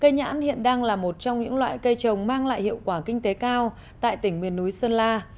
cây nhãn hiện đang là một trong những loại cây trồng mang lại hiệu quả kinh tế cao tại tỉnh miền núi sơn la